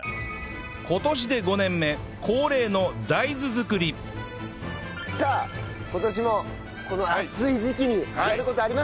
今年で５年目恒例の大豆作りさあ今年もこの暑い時期にやる事ありますよね。